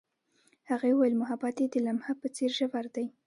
هغې وویل محبت یې د لمحه په څېر ژور دی.